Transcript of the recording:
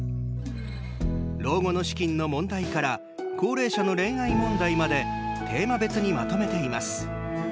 老後の資金の問題から高齢者の恋愛問題までテーマ別にまとめています。